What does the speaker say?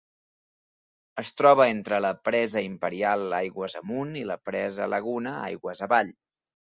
Es troba entre la Presa Imperial aigües amunt, i la Presa Laguna aigües avall.